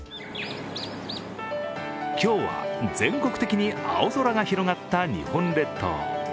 今日は全国的に青空が広がった日本列島。